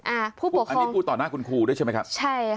ผู้ปกครองอันนี้พูดต่อหน้าคุณครูด้วยใช่ไหมครับใช่ค่ะ